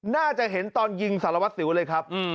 น่าจะเห็นตอนยิงสารวัสสิวเลยครับ